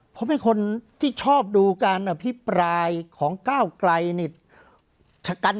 ผมไม่ควรที่ชอบดูการอภิปรายของเก้าไกล